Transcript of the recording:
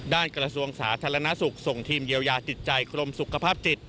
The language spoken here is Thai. กระทรวงสาธารณสุขส่งทีมเยียวยาจิตใจกรมสุขภาพจิต